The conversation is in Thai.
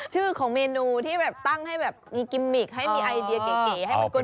ชื่อของเมนูที่แบบตั้งให้แบบมีกิมมิกให้มีไอเดียเก๋ให้มันกล